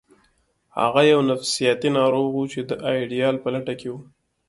هغه یو نفسیاتي ناروغ و چې د ایډیال په لټه کې و